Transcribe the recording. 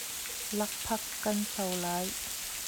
Lakphak kan so lai.